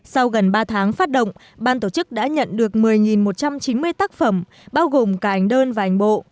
sau gần ba tháng phát động ban tổ chức đã nhận được một mươi một trăm chín mươi tác phẩm bao gồm cả ảnh đơn và ảnh bộ